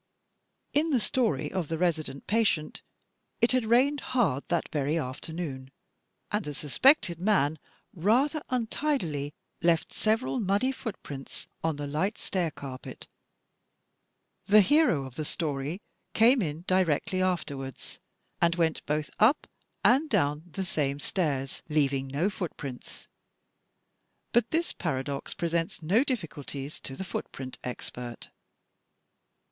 In the story of "The Resident Patient," it had "rained hard that very afternoon" and the suspected man rather imtidily left several muddy footprints on the light stair carpet. The hero of the story came in directly afterwards, and went both up and down the same stairs, leaving no foot prints! But this paradox presents no difficulties to the foot print expert.